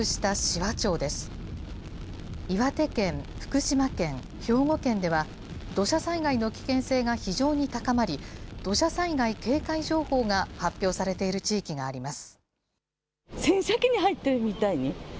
岩手県、福島県、兵庫県では、土砂災害の危険性が非常に高まり、土砂災害警戒情報が発表されている地域があります。